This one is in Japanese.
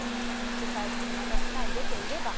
主催者の私さえ出ていれば。